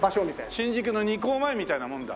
新宿の二幸前みたいなもんだ？